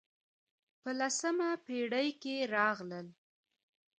په لسمه پېړۍ کې راغلل.